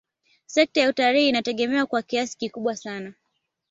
Sekta ya utalii inategemewa kwa kiasi kikubwa sana